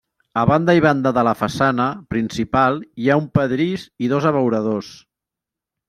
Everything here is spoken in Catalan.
A banda i banda de la façana principal hi ha un pedrís i dos abeuradors.